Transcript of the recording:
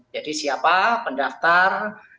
jadi siapa pendaftar